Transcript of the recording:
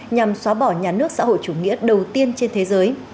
nhằm xóa bỏ nhà nước xã hội chủ nghĩa đầu tiên trên thế giới